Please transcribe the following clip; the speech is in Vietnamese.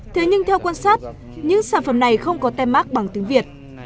thế nhưng theo quan sát những sản phẩm này không có tem mát bằng tiếng việt